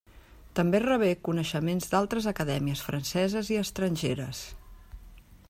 També rebé reconeixements d'altres acadèmies franceses i estrangeres.